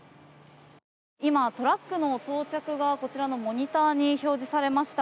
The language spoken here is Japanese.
今、トラックの到着がこちらのモニターに表示されました。